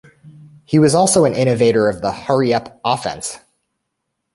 He was also an innovator of the hurry up offense.